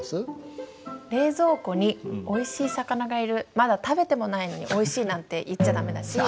まだ食べてもないのにおいしいなんて言っちゃダメだし。